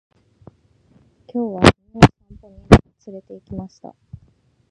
今日は犬を散歩に連れて行きました。